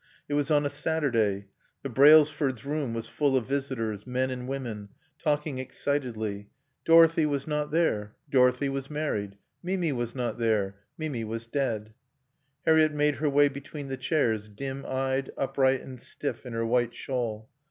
It was on a Saturday. The Brailsfords' room was full of visitors, men and women, talking excitedly. Dorothy was not there Dorothy was married. Mimi was not there Mimi was dead. Harriett made her way between the chairs, dim eyed, upright, and stiff in her white shawl.